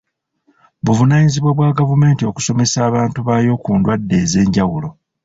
Buvunaanyizibwa bwa gavumenti okusomesa abantu baayo ku ndwadde ez'enjawulo.